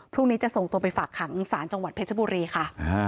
พรุ่งนี้จะส่งตัวไปฝากขังศาลจังหวัดเพชรบุรีค่ะ